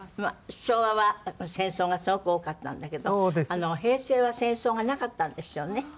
昭和は戦争がすごく多かったんだけど平成は戦争がなかったんですよね。